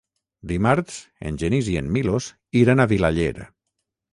Dimarts en Genís i en Milos iran a Vilaller.